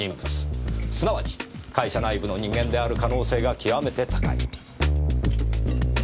すなわち会社内部の人間である可能性が極めて高い。